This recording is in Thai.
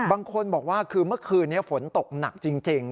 บางคนบอกว่าคือเมื่อคืนนี้ฝนตกหนักจริง